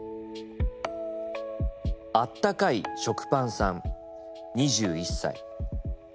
あったかい食パンさん２１歳。